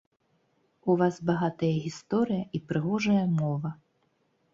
У вас багатая гісторыя і прыгожая мова.